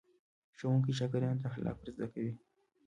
ښوونکي شاګردانو ته اخلاق ور زده کوي.